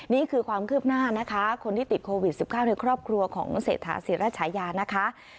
นี่คือความคืบหน้านะคะคนที่ติดโควิด๑๙ในครอบครัวของเศรษฐาศิราชยานะคะ